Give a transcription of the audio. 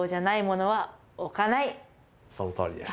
そのとおりです。